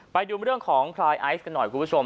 ไปดูเรื่องของพลายไอซ์กันหน่อยคุณผู้ชม